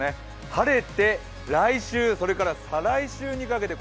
晴れて、来週、それから再来週にかけて